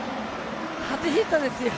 初ヒットですよ。